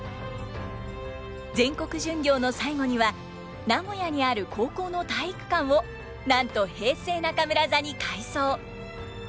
全国巡業の最後には名古屋にある高校の体育館をなんと平成中村座に改装。